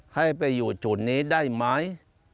ให้ไปอยู่จุดนี้ได้ไหม